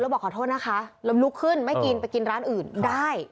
บอกขอโทษนะคะแล้วลุกขึ้นไม่กินไปกินร้านอื่นได้